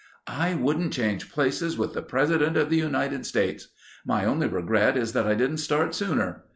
"I wouldn't change places with the President of the United States. My only regret is that I didn't start sooner.